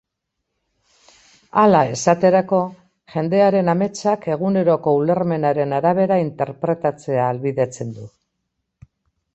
Hala, esaterako, jendearen ametsak eguneroko ulermenaren arabera interpretatzea ahalbidetzen du.